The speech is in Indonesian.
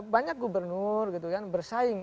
banyak gubernur gitu kan bersaing